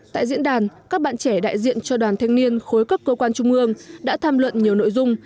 tại diễn đàn các bạn trẻ đại diện cho đoàn thanh niên khối các cơ quan trung ương đã tham luận nhiều nội dung